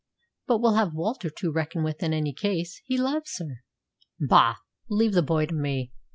"But we'll have Walter to reckon with in any case. He loves her." "Bah! Leave the boy to me.